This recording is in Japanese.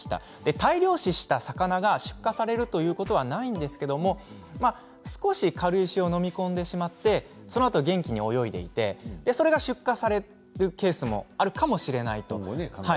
大量死した魚が出荷されるということはないんですけど少し軽石を飲み込んでしまってそのあと元気に泳いでいってそれが出荷されるケースもあるかもしれないと。